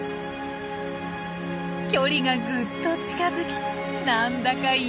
距離がぐっと近づきなんだかいい感じ。